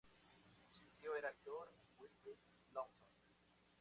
Su tío era actor, Wilfrid Lawson.